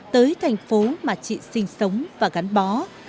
tới thành phố mà chị sinh sống và gắn bó